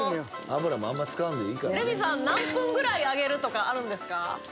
レミさん何分ぐらい揚げるとかあるんですか？